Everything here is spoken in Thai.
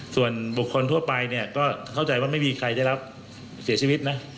ส่วนบุคคลทั่วไปเนี่ยก็เข้าใจว่าไม่มีใครได้รับเสียชีวิตนะ